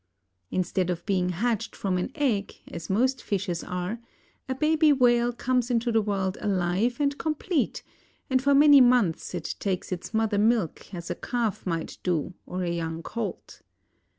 Instead of being hatched from an egg, as most fishes are, a baby whale comes into the world alive and complete, and for many months it takes its mother's milk as a calf might do or a young colt.